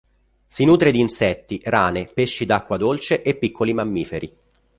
Si nutre di insetti, rane, pesci d'acqua dolce e piccoli mammiferi.